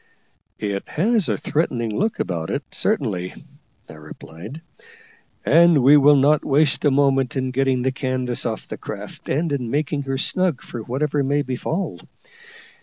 "It has a threatening look about it, certainly," I replied, "and we will not waste a moment in getting the canvas off the craft, and in making her snug for whatever may befall.